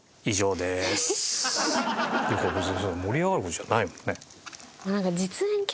いやこれ別に盛り上がる事じゃないもんね。